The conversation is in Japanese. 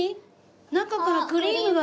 中からクリームが。